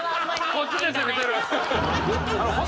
こっちで攻めてる。